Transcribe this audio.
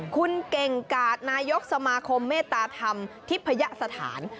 คุณเก่งกาดนายกสมาคมเมตตาธรรมทิพยสถาน